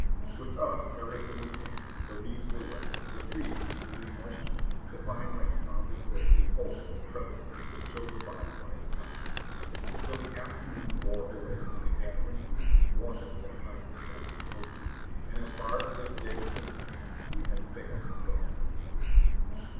With us, everything was damp, the leaves were wet, the trees exuded moisture, the fine rain found its way through holes and crevices and chilled the body by its touch. So the afternoon wore away and the gath ering gloom warned us that night was fast approaching, and as far as this day was concerned, we had failed lamentably.